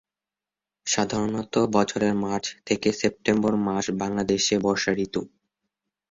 সাধারণত বছরের মার্চ থেকে সেপ্টেম্বর মাস বাংলাদেশে বর্ষা ঋতু।